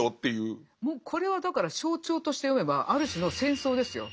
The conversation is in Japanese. これはだから象徴として読めばある種の戦争ですよ。